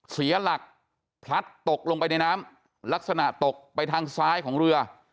เสียหลักพลัดตกลงไปในน้ำลักษณะตกไปทางซ้ายของเรือ